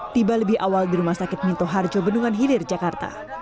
tiba lebih awal di rumah sakit minto harjo bendungan hilir jakarta